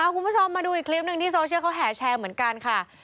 คุณผู้ชมมาดูอีกคลิปหนึ่งที่โซเชียลเขาแห่แชร์เหมือนกันค่ะ